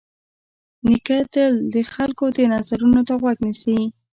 نیکه تل د خلکو د نظرونو ته غوږ نیسي.